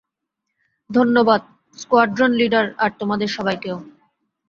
ধন্যবাদ, squadron leader আর তোমাদের সবাইকেও।